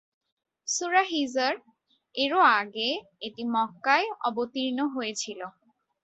সূরা হিযর-এরও আগে এটি মক্কায় অবতীর্ণ হয়েছিল।